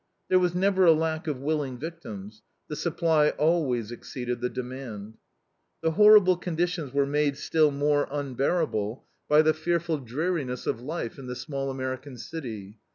There was never a lack of willing victims: the supply always exceeded the demand. The horrible conditions were made still more unbearable by the fearful dreariness of life in the small American city.